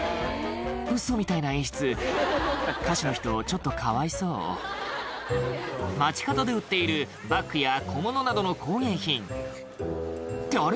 ウソみたいな演出歌手の人ちょっとかわいそう街角で売っているバッグや小物などの工芸品ってあれ？